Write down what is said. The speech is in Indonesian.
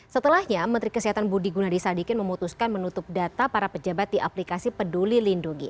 setelahnya menteri kesehatan budi gunadisadikin memutuskan menutup data para pejabat di aplikasi peduli lindungi